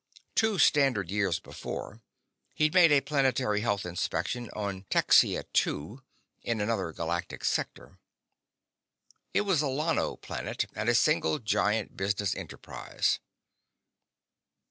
Two standard years before, he'd made a planetary health inspection on Texia II, in another galactic sector. It was a llano planet and a single giant business enterprise.